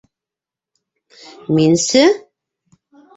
Минсе?..